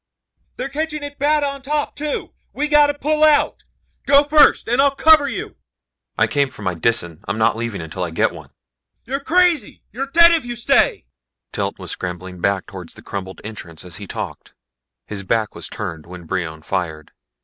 "They're catching it bad on top, too! We gotta pull out. Go first and I'll cover you." "I came for my Disan I'm not leaving until I get one." "You're crazy! You're dead if you stay!" Telt was scrambling back towards the crumbled entrance as he talked. His back was turned when Brion fired.